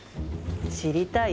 知りたい？